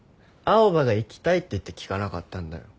青羽が行きたいっていってきかなかったんだよ。